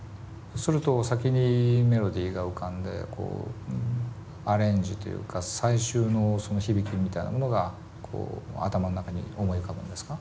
すると先にメロディーが浮かんでこうアレンジというか最終のその響きみたいなものがこう頭の中に思い浮かぶんですか？